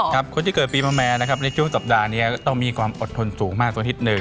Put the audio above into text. คนที่เกิดปีมะแม่นะครับในช่วงสัปดาห์นี้ต้องมีความอดทนสูงมากสักนิดหนึ่ง